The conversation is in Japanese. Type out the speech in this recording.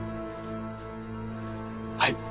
はい。